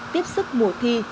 tiếp sức mùa thi